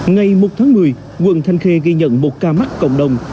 ngày một tháng một mươi quận thanh khê ghi nhận một ca mắc cộng đồng